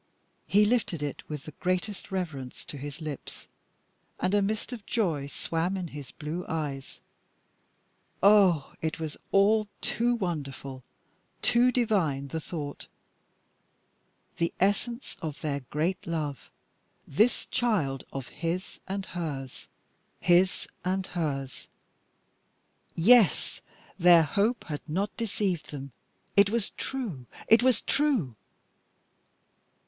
He lifted it with the greatest reverence to his lips, and a mist of joy swam in his blue eyes. Ah! it was all too wonderful too divine the thought! The essence of their great love this child of his and hers. His and hers! Yes, their hope had not deceived them. It was true! It was true!